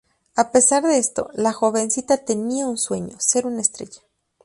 A pesar de esto, la jovencita tenía un sueño: ser una estrella.